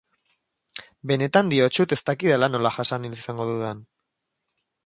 Benetan diotsut ez dakidala nola jasan ahal izango dudan.